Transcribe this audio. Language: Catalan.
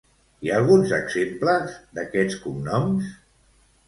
Hi ha algun exemple d'aquests cognoms?